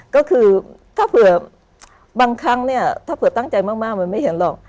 ก็คือถ้าเผื่อบางครั้งเนี่ยถ้าเผื่อตั้งใจมากมันไม่เห็นหรอก